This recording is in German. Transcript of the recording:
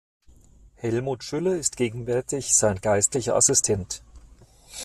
Helmut Schüller ist gegenwärtig sein Geistlicher Assistent.